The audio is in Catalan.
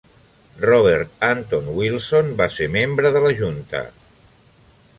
Robert Anton Wilson va ser membre de la junta.